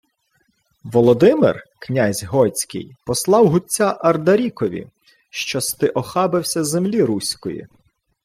— Видимир, князь готський, послав гудця Ардарікові, що-с ти охабився землі Руської.